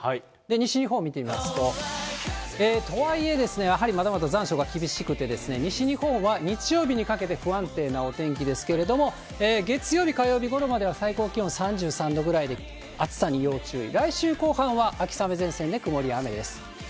西日本を見てみますと、とはいえ、やはりまだまだ残暑が厳しくて、西日本は日曜日にかけて不安定なお天気ですけれども、月曜日、火曜日ごろまでは最高気温３３度ぐらいで、暑さに要注意。